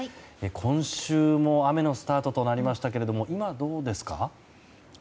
今週も雨のスタートとなりましたけども今はどうですか？